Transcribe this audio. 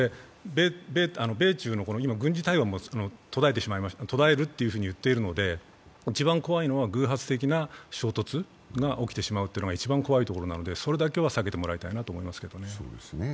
米中の軍事対話も途絶えるというふうに言っているので、一番怖いのは偶発的な衝突が起きてしまうというのが一番怖いところなのでそれだけは避けてもらいたいと思いますけど。